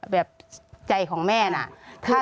แบบใจของแม่น่ะ